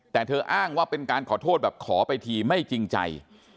แต่เธออ้างว่าเป็นการขอโทษแบบขอไปทีไม่จริงใจ